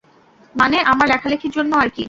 মানে, আমার লেখালেখির জন্য আর কি।